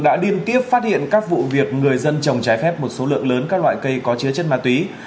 đã liên tiếp phát hiện các vụ việc người dân trồng trái phép một số lượng lớn các loại cây có chứa chất ma túy